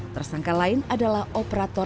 tersangka lain adalah operator